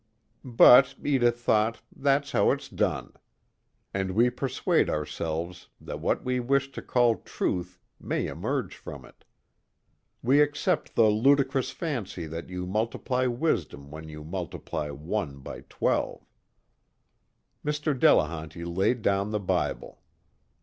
But, Edith thought, that's how it's done. And we persuade ourselves that what we wish to call truth may emerge from it. We accept the ludicrous fancy that you multiply wisdom when you multiply one by twelve. Mr. Delehanty laid down the Bible.